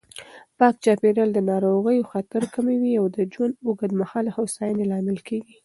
پاک چاپېریال د ناروغیو خطر کموي او د ژوند اوږدمهاله هوساینې لامل کېږي.